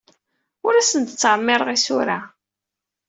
Ur asen-d-ttɛemmiṛeɣ isura.